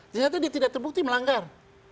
ternyata dia tidak terbukti melanggar